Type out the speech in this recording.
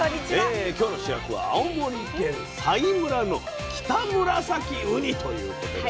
今日の主役は青森県佐井村のキタムラサキウニということでございましてね